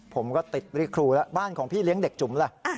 ผมก็ติดเรียกครูแล้วบ้านของพี่เลี้ยงเด็กจุ๋มล่ะ